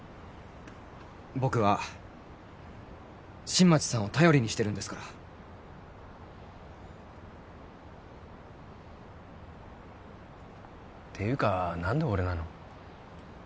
僕は新町さんを頼りにしてるんですからていうか何で俺なの？